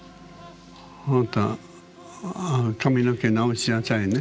あなた髪の毛直しなさいね。